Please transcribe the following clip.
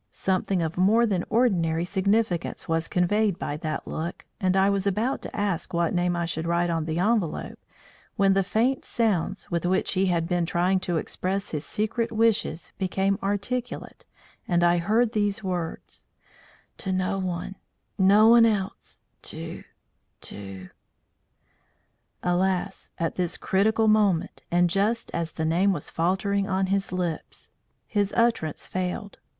Something of more than ordinary significance was conveyed by that look, and I was about to ask what name I should write on the envelope, when the faint sounds with which he had been trying to express his secret wishes became articulate, and I heard these words: [Illustration: "ONE HAND WAS PRESSED AGAINST HIS HEART"] "To no one no one else! To to " Alas! at this critical moment and just as the name was faltering on his lips, his utterance failed.